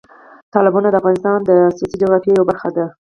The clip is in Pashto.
تالابونه د افغانستان د سیاسي جغرافیه یوه برخه ده.